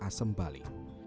sama seperti di desa bali